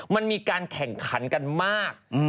มันมีการแข่งขันกันมาก